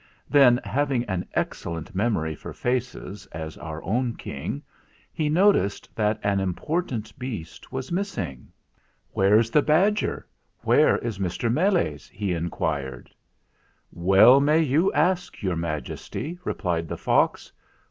Then, having an excellent memory for faces as our own King, he noticed that an important beast was missing. "Where's the badger? Where is Mr. Meles ?" he inquired. "Well may you ask, Your Majesty," replied the fox.